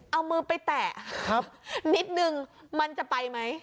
เอามือไปแตะนิดนึงมันจะไปไหม